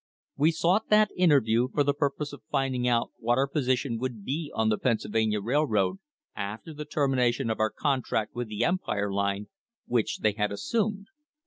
We sought that interview for the purpose of finding out what our position would be on the Pennsylvania Rail road after the termination of our contract with the Empire Line, which they had assumed.